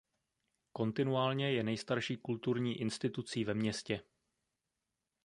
Kontinuálně je nejstarší kulturní institucí ve městě.